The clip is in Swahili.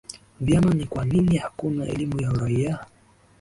vyama ni kwa nini hakuna elimu ya uraia